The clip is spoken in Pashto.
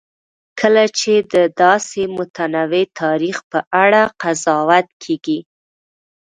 کله چې د داسې متنوع تاریخ په اړه قضاوت کېږي.